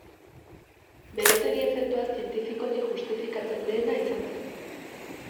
Berotegi efektua zientifikoki justifikatzen lehena izan zen.